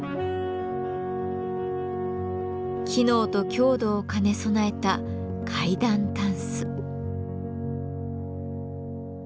機能と強度を兼ね備えた階段たんす。